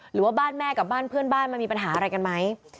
หรือว่าบ้านแม่กับบ้านเพื่อนบ้านมันมีปัญหาอะไรกันไหม